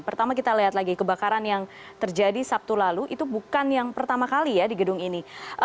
pertama kita lihat lagi kebakaran yang terjadi sabtu lalu itu bukan yang pertama kali ya di gedung ini